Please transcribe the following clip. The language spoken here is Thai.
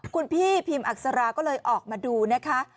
คุณพี่พิมอักษราก็เลยออกมาดูนะคะ